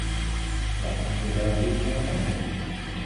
Laten we daar dus naar handelen.